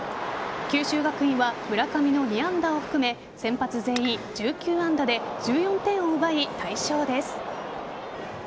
九州学院は村上の２安打を含め先発全員、１９安打で１４点を奪い大勝です。